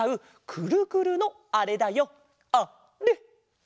くるくるのあれだよあれ！